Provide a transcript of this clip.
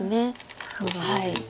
なるほど。